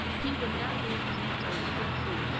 He would not be able to eat or even sleep.